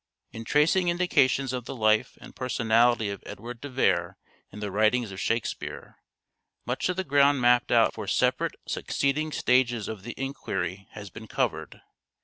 In tracing indications of the life and personality of Edward de Vere in the writings of Shakespeare, much of the ground mapped out for separate succeeding stages of the enquiry has been covered.